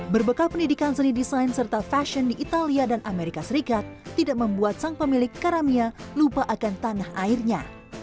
berbekal pendidikan seni desain serta fashion di italia dan amerika serikat tidak membuat sang pemilik karamia lupa akan tanah airnya